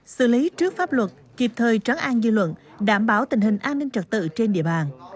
xử lý trước pháp luật kịp thời trắng an dư luận đảm bảo tình hình an ninh trật tự trên địa bàn